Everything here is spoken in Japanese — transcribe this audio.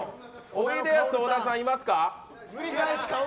おいでやす小田さん、いますか。